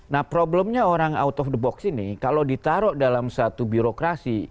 nah problemnya orang out of the box ini kalau ditaruh dalam satu birokrasi